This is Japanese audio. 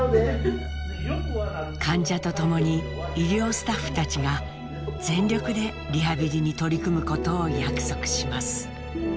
患者とともに医療スタッフたちが全力でリハビリに取り組むことを約束します。